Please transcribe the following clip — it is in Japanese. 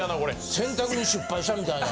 洗濯に失敗したみたいな。